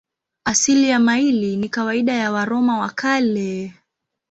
Asili ya maili ni kawaida ya Waroma wa Kale.